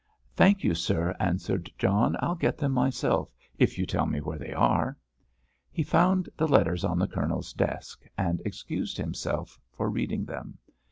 "Thank you, sir," answered John, "I'll get them myself, if you tell me where they are?" He found the letters on the Colonel's desk, and excused himself for reading them.